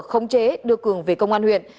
khống chế đưa cường về công an huyện